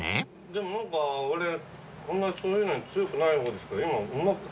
でも俺こんなそういうのに強くない方ですけど今うまく感じて。